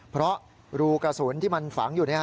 เพราะรูกระสุนที่มันฝังอยู่